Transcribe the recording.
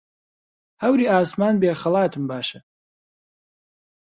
هەوری ئاسمان بێ خەڵاتم باشە